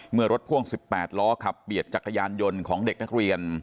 เมื่อรถพ่วง๑๘ล้อขับเบียดจักรยานยนต์ของเด็กนักเรียน